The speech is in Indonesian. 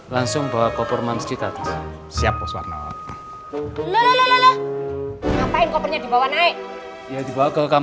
langsung bawa kopernya dibawa naik